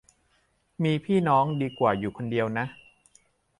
มีพี่น้องดีกว่าอยู่คนเดียวนะ